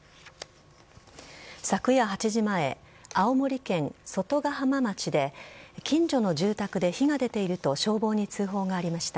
昨夜８時前、青森県外ヶ浜町で近所の住宅で火が出ていると消防に通報がありました。